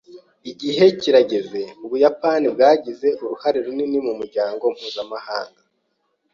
Igihe kirageze Ubuyapani bwagize uruhare runini mumuryango mpuzamahanga.